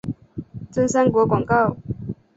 真三国广告。